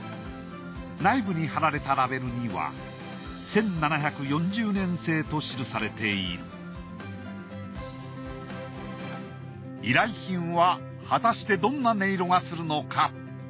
内部に貼られたラベルには１７４０年製と記されている依頼品は果たしてどんな音色がするのか。